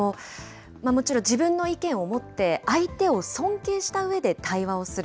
もちろん自分の意見を持って、相手を尊敬したうえで、対話をする。